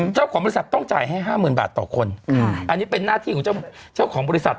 เจ้าของบริษัทต้องจ่ายให้๕๐๐๐บาทต่อคนอันนี้เป็นหน้าที่ของเจ้าของบริษัท